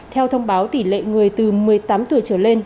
theo thông báo tỷ lệ người từ một mươi tám tuổi trở lên